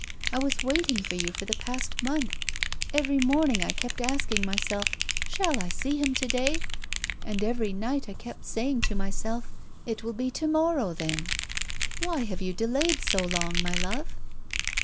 I was waiting for you for the past month. Every morning I kept asking myself, 'Shall I see him to day?' and every night I kept saying to myself, 'It will be to morrow then.' Why have you delayed so long, my love?"